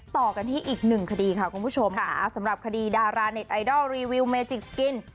ต่อกันที่อีกหนึ่งคดีค่ะคุณผู้ชมค่ะสำหรับคดีดาราเน็ตไอดอลรีวิวเมจิกสกิน